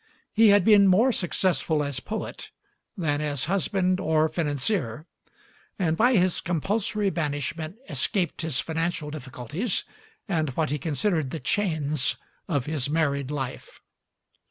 He had been more successful as poet than as husband or financier, and by his compulsory banishment escaped his financial difficulties and what he considered the chains of his married life.